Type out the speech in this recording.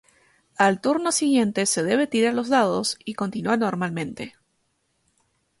Al turno siguiente se debe tirar los dados y continuar normalmente.